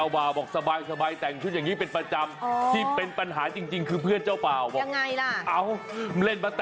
บ่าวดูคื้นนะคะ